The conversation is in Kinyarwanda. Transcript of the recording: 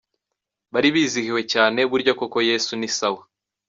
Bari bizihiwe cyane, burya koko Yesu ni sawa.